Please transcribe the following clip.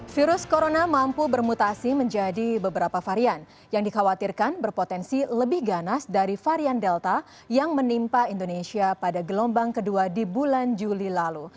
virus corona mampu bermutasi menjadi beberapa varian yang dikhawatirkan berpotensi lebih ganas dari varian delta yang menimpa indonesia pada gelombang kedua di bulan juli lalu